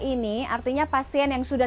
ini artinya pasien yang sudah